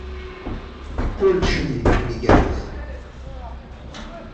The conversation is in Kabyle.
Kullec ad yili akken igerrez.